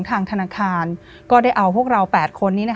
ซึ่งในบรรดาแกง